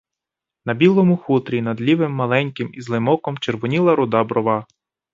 На білому хутрі над лівим маленьким і злим оком червоніла руда брова.